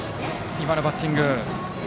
今のバッティング。